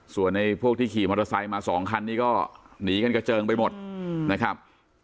ส่วนไอ้พวกที่ขี่มอเตอร์ไซค์มาสองคันนี้ก็หนีกันกระเจิงไปหมดนะครับ